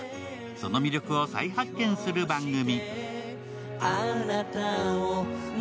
その魅力を再発見する番組。